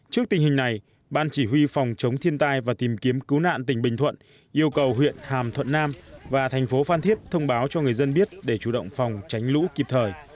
trước tình hình này ban chỉ huy phòng chống thiên tai và tìm kiếm cứu nạn tỉnh bình thuận yêu cầu huyện hàm thuận nam và thành phố phan thiết thông báo cho người dân biết để chủ động phòng tránh lũ kịp thời